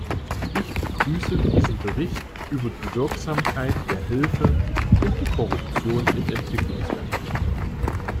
Ich begrüße diesen Bericht über die Wirksamkeit der Hilfe und die Korruption in Entwicklungsländern.